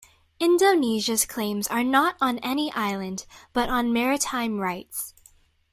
Indonesia's claims are not on any island, but on maritime rights.